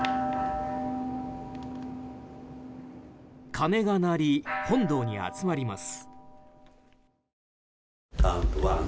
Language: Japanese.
鐘が鳴り、本堂に集まります。